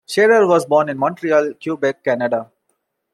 Shearer was born in Montreal, Quebec, Canada.